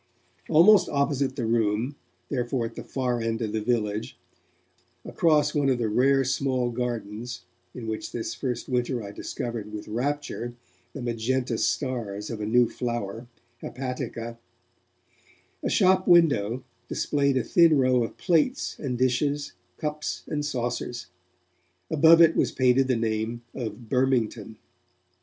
Almost opposite the Room, therefore at the far end of the village, across one of the rare small gardens (in which this first winter I discovered with rapture the magenta stars of a new flower, hepatica) a shop window displayed a thin row of plates and dishes, cups and saucers; above it was painted the name of Burmington.